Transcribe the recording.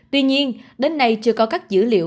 tuy nhiên đến nay chưa có các dữ liệu